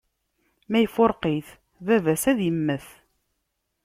ma ifurq-it, baba-s ad immet.